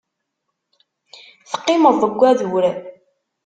Teqqimeḍ deg wadur.